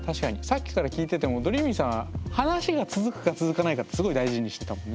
さっきから聞いててもどりーみぃさんは話が続くか続かないかってすごい大事にしてたもんね。